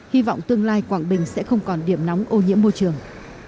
hy vọng tương lai quảng bình sẽ không còn điểm nóng ô nhiễm môi trường